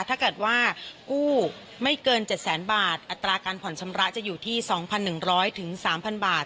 ถ้าเกิดว่ากู้ไม่เกินเจ็ดแสนบาทอัตราการผ่อนชำระจะอยู่ที่สองพันหนึ่งร้อยถึงสามพันบาท